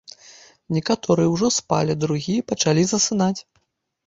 Некаторыя ўжо спалі, другія пачалі засынаць.